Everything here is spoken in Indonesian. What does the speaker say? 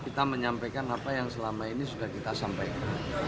kita menyampaikan apa yang selama ini sudah kita sampaikan